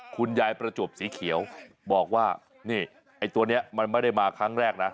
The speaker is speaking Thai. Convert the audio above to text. คุณยายประจวบสีเขียวบอกว่านี่ไอ้ตัวนี้มันไม่ได้มาครั้งแรกนะ